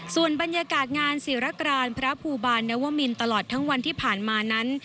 ส่วนบรรยากาศงานศิรกรานพระภูบาลนวมินตลอดทั้งวันที่ผ่านมานั้น